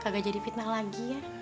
biar nggak jadi fitnah lagi ya